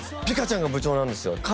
ピカちゃんが部長なんですよ